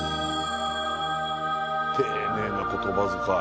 丁寧な言葉遣い。